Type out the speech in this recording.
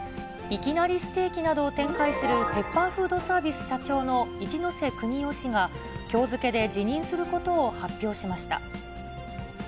いきなりステーキなどを展開する、ペッパーフードサービス社長の一瀬邦夫氏が、きょう付けで辞任することを発表しました。